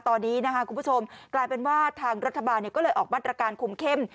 ตอนนี้นะคะคุณผู้ชมกลายเป็นว่าทางรัฐบาลก็เลยออกมาตรการคุมเข้ม